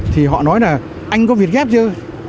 thì họ nói là anh có việt gap chưa